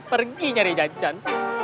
pergi nyari jajan